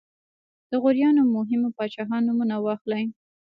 د غوریانو مهمو پاچاهانو نومونه واخلئ.